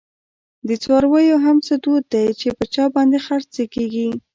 د څارویو هم څه دود وی، چی په چا باندي خر څیږی